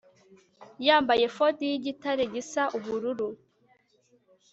yambaye efodi y igitare gisa ubururu